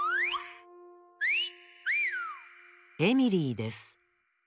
エミリーです。